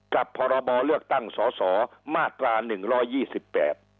พรบเลือกตั้งสอสอมาตราหนึ่งร้อยยี่สิบแปด